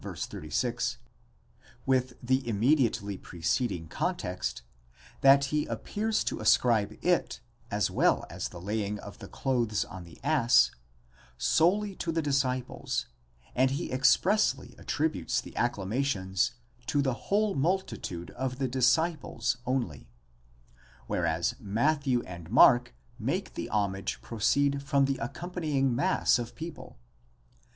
36) with the immediately preceding context, that he appears to ascribe it, as well as the laying of the clothes on the ass, solely to the disciples, and he expressly attributes the acclamations to the whole multi tude of the disciples only (ἅπαν τὸ πλῆθος τῶν μαθητῶν) ; whereas Matthew and Mark make the homage proceed from the accompanying mass of people.